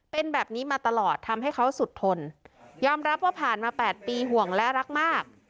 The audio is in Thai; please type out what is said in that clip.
เป็นแบบนี้มาตลอดทำให้เขาสุดทนยอมรับว่าผ่านมา๘ปีห่วงและรักมาก